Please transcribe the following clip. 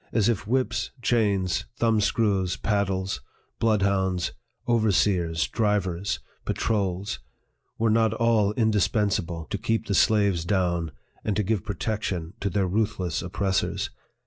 As if whips, chains, thumb screws, paddles, bloodhounds, overseers, drivers, patrols, were not all indispensable to keep the slaves down, and to give protection to their ruthless oppressors